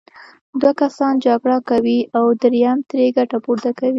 دوه کسان جګړه کوي او دریم ترې ګټه پورته کوي.